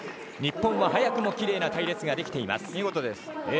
日本は早くもきれいな隊列ができています。